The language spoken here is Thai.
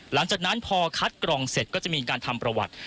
หลังจากนั้นพอคัดกรองเสร็จก็จะมีการทำประวัติ